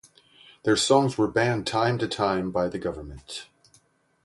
Their songs were banned time to time by the government.